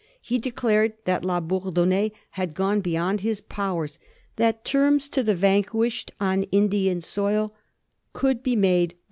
He declared that La Bourdonnais had gone beyond bis powers ; that terms to the vanquished on Indian soil could be made by.